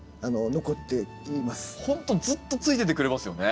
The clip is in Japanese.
ほんとずっとついててくれますよね。